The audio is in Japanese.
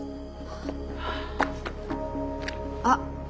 あっ。